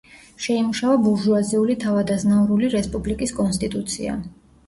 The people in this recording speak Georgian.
შეიმუშავა ბურჟუაზიული თავადაზნაურული რესპუბლიკის კონსტიტუცია.